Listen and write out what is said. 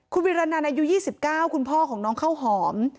คุณวิรณันอายุ๒๙คุณพ่อของน้องข้าวหอม